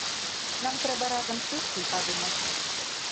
Нам трэба разам сесці і падумаць.